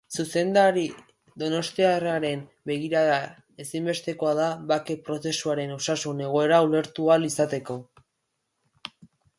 Zuzendari donostiarraren begirada ezinbestekoa da bake-prozesuaren osasun egoera ulertu ahal izateko.